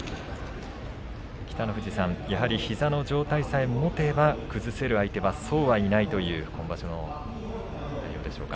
北の富士さん、やはり膝の状態さえもてば崩せる相手はそうはいないという今場所の内容でしょうか。